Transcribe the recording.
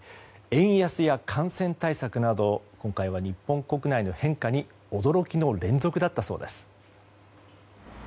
円安や感染対策など今回は日本国内の変化に驚きの連続だったそうです。